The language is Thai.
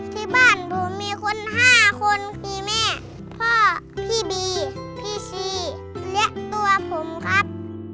ที่บ้านผมมีคน๕คนคือแม่พ่อพี่บีพี่ชีและตัวผมครับ